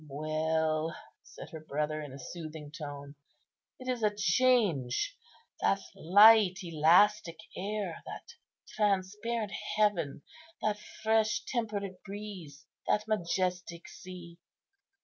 "Well," said her brother in a soothing tone, "it is a change. That light, elastic air, that transparent heaven, that fresh temperate breeze, that majestic sea!